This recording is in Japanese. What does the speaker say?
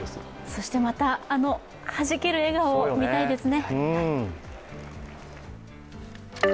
そしてまたあのはじける笑顔を見たいですね。